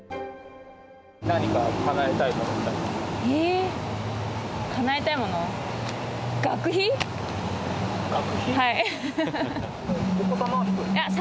何かかなえたいものって？